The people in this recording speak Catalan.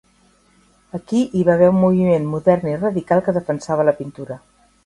Aquí hi va haver un moviment modern i radical que defensava la pintura.